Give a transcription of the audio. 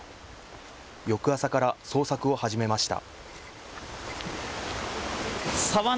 翌朝から捜索を始めました。